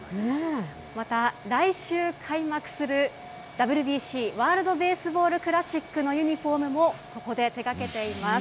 また、来週開幕するＷＢＣ・ワールドベースボールクラシックのユニホームもここで手がけています。